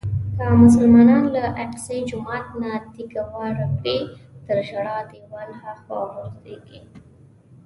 که مسلمانان له اقصی جومات نه تیږه واره کړي تر ژړا دیوال هاخوا غورځېږي.